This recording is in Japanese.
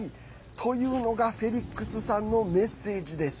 というのが、フェリックスさんのメッセージです。